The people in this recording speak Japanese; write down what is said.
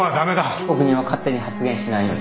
被告人は勝手に発言しないように。